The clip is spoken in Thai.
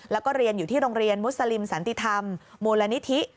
แล้วก็เรียนอยู่ที่โรงเรียนมุสลิมสันติธรรมมูลนิธิ